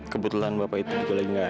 kebetulan bapak itu juga lagi nggak